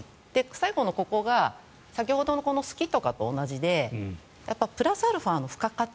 最後のここが先ほどの好きとかと同じでプラスアルファの付加価値